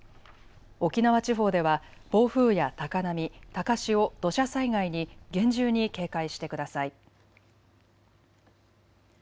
沖縄地方では暴風や高波、高潮、土砂災害に厳重に警戒してください。